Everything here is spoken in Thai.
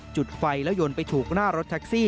จุดไฟแล้วยนต์ไปถูกหน้ารถแท็กซี่